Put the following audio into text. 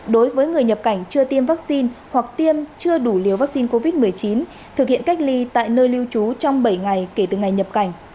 đối với người nhập cảnh chưa tiêm vaccine hoặc tiêm chưa đủ liều vaccine covid một mươi chín thực hiện cách ly tại nơi lưu trú trong bảy ngày kể từ ngày nhập cảnh